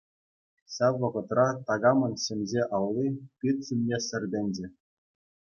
Ҫав вӑхӑтра такамӑн ҫӗмҫе алли пит ҫумне сӗртӗнчӗ.